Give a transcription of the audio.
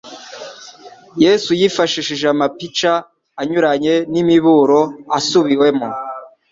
Yesu yifashishije amapica anyuranye n'imiburo isubiwemo,